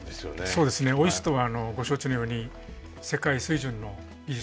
そうですねＯＩＳＴはご承知のように世界水準の技術水準がありまして。